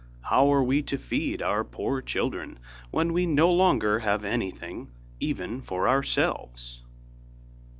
How are we to feed our poor children, when we no longer have anything even for ourselves?